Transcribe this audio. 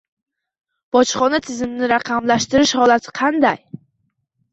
Bojxona tizimini raqamlashtirish holati qanday?